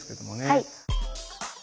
はい。